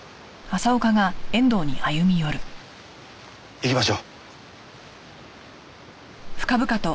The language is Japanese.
行きましょう。